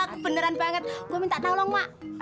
kebeneran banget gue minta tolong mak